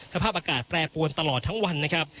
สภาพอากาศแปรปวนตลอดทั้งวันนะครับ